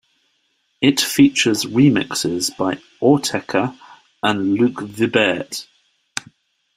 It features remixes by Autechre and Luke Vibert.